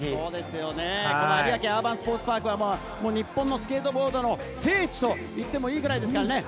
有明アーバンスポーツパークは日本のスケートボードの聖地と言ってもいいくらいですからね。